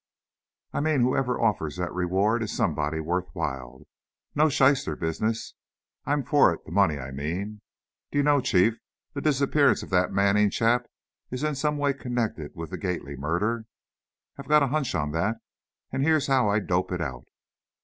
I mean whoever offers that reward is somebody worthwhile. No shyster business. I'm for it, the money, I mean. Do you know, Chief, the disappearance of that Manning chap is in some way connected with the Gately murder? I've got a hunch on that. And here's how I dope it out.